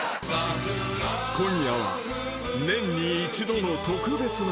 ［今夜は年に一度の特別な日］